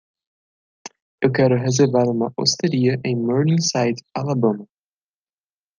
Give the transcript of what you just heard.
Eu quero reservar uma osteria em Morningside Alabama.